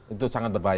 itu sangat berbahaya